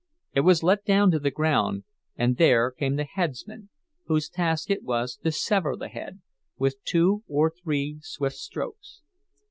It was let down to the ground, and there came the "headsman," whose task it was to sever the head, with two or three swift strokes.